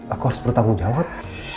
aku harus bertanggung jawab